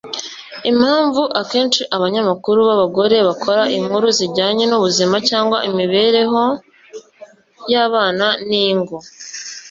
impamvu akenshi abanyamakuru b’abagore bakora inkuru zijyanye n’ubuzima cyangwa imibereho y’abana n’ingo